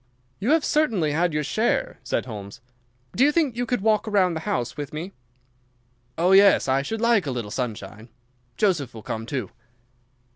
"You have certainly had your share," said Holmes. "Do you think you could walk round the house with me?" "Oh, yes, I should like a little sunshine. Joseph will come, too."